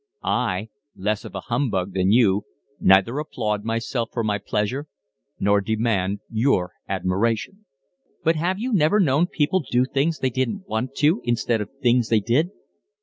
I, less of a humbug than you, neither applaud myself for my pleasure nor demand your admiration." "But have you never known people do things they didn't want to instead of things they did?"